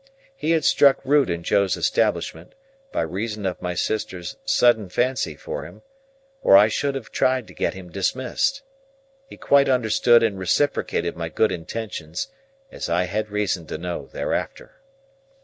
He had struck root in Joe's establishment, by reason of my sister's sudden fancy for him, or I should have tried to get him dismissed. He quite understood and reciprocated my good intentions, as I had reason to know thereafter.